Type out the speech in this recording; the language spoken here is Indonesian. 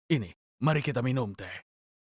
ini mari kita minum teh